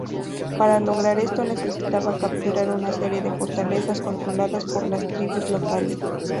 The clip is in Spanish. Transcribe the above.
Para lograr esto, necesitaba capturar una serie de fortalezas controladas por las tribus locales.